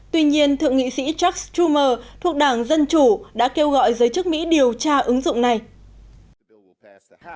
tuy nhiên thượng nghị sĩ chuck schumer thuộc đảng dân chủ đã kêu gọi giới chức mỹ điều tra ứng dụng này